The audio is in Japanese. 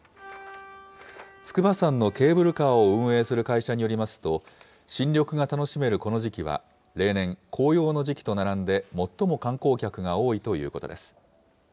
筑波山のケーブルカーを運営する会社によりますと、新緑が楽しめるこの時期は、例年、紅葉の時期と並んで最も観光客が多いということです。